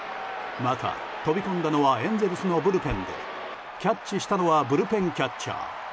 また、飛び込んだのはエンゼルスのブルペンでキャッチしたのはブルペンキャッチャー。